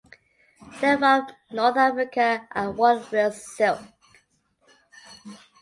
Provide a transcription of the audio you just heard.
They were from North Africa and one was silk.